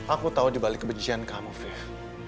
aku tahu dibalik kebencian kamu five